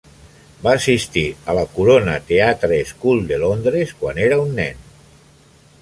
Va assistir a la Corona Theatre School de Londres quan era un nen.